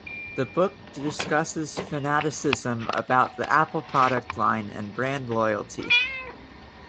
The book discusses fanaticism about the Apple product line and brand loyalty.